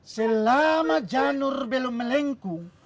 selama janur belum melengkung